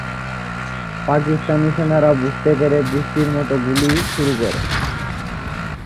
পাকিস্তানি সেনারা বুঝতে পেরে বৃষ্টির মতো গুলি শুরু করে।